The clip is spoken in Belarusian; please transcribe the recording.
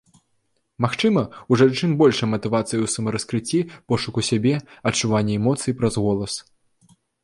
Магчыма, у жанчын большая матывацыя ў самараскрыцці, пошуку сябе, адчуванні эмоцый праз голас.